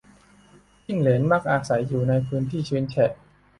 จิ้งเหลน มักอาศัยอยู่ในพื้นที่ชื้นแฉะ